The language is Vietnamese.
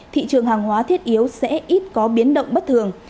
thị trường hàng hóa thiết yếu sẽ ít có biến động bất thường